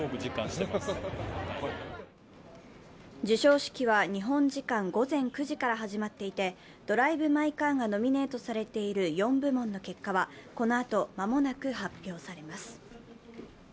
授賞式は日本時間午前９時から始まっていて「ドライブ・マイ・カー」がノミネートさけている４部門の結果は、このあと間もなく発表されます。